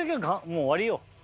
もう終わりよ。